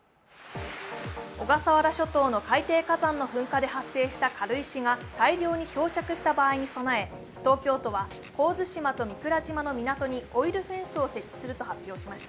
小笠原諸島の海底火山で発生した軽石が大量に漂着した場合に備え、東京都は神津島と御蔵島の港にオイルフェンスを設置すると発表しました。